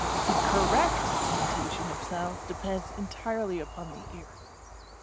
The correct imitation of sounds depends entirely upon the ear.